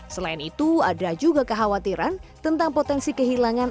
selain itu ada juga kekhawatiran tentang potensi kehilangan